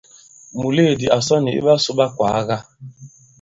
Mùleèdi à sɔ nì iɓasū ɓa ikwàaga.